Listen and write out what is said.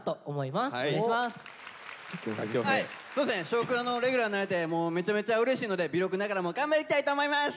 「少クラ」のレギュラーになれてもうめちゃめちゃうれしいので微力ながらも頑張りたいと思います！